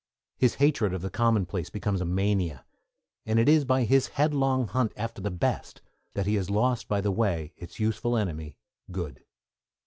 His hatred of the commonplace becomes a mania, and it is by his head long hunt after the best that he has lost by the way its useful enemy, good.